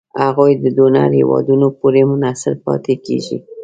هغوی د ډونر هېوادونو پورې منحصر پاتې کیږي.